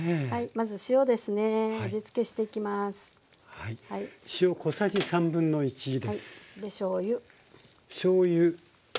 まず塩ですね味つけしていきます。でしょうゆ。